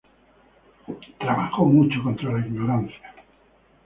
Trabajó mucho contra la ignorancia.